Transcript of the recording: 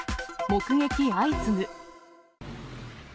目撃相次ぐ。